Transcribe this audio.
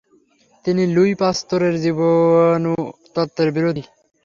তিনি লুই পাস্তুরের জীবাণু তত্ত্বের বিরোধী।